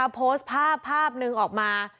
โพสต์ภาพภาพหนึ่งออกมา